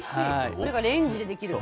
これがレンジでできると。